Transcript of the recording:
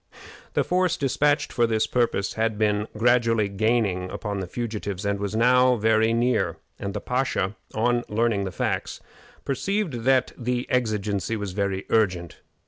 The force dispatched for this purpose had been gradually gaining upon the fugitives, and was now very near, and the pasha, on learning the facts, perceived that the exigency was very urgent.